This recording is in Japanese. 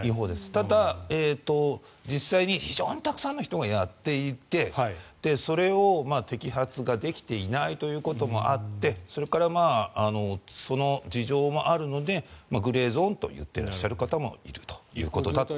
ただ、実際に非常にたくさんの人がやっていてそれを摘発ができていないということもあってそれから、その事情もあるのでグレーゾーンと言っていらっしゃる方もいるということです。